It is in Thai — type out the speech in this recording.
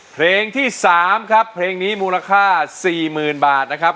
เพลงที่๓ครับเพลงนี้มูลค่า๔๐๐๐บาทนะครับ